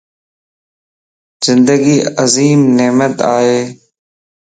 زندگي عظيم نعمت ائي